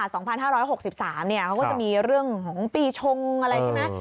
เขาก็จะมีเรื่องของปีชงอะไรใช่ไหม